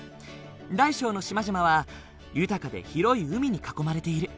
大小の島々は豊かで広い海に囲まれている。